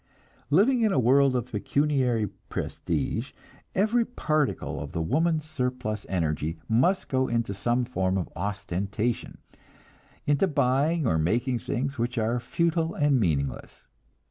Living in a world of pecuniary prestige, every particle of the woman's surplus energy must go into some form of ostentation, into buying or making things which are futile and meaningless.